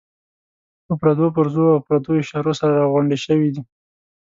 په پردو پرزو او پردو اشارو سره راغونډې شوې دي.